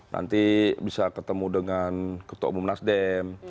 nanti bisa ketemu dengan ketua umum nasdem